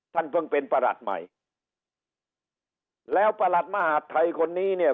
ท่านเพิ่งเป็นประหลัดใหม่แล้วประหลัดมหาดไทยคนนี้เนี่ย